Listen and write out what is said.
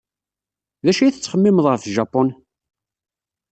D acu ay tettxemmimeḍ ɣef Japun?